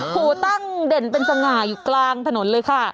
หูตั้งเด่นเป็นสง่าอยู่กลางถนนเลยค่ะ